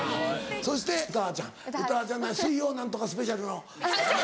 そして詩羽ちゃん詩羽ちゃんが水曜何とかスペシャルの。